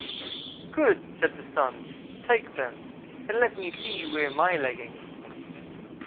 "'Good,' said the Sun, 'take them, and let me see you wear my leggings.'